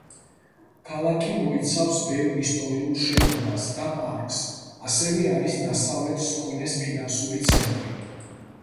ქალაქი მოიცავს ბევრ ისტორიულ შენობას და პარკს, ასევე არის დასავლეთ სკონეს ფინანსური ცენტრი.